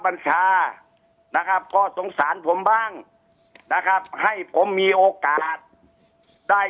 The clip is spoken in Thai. บัญชานะครับก็สงสารผมบ้างนะครับให้ผมมีโอกาสได้